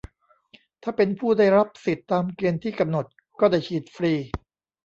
ถ้าเป็นผู้ได้รับสิทธิ์ตามเกณฑ์ที่กำหนดก็ได้ฉีดฟรี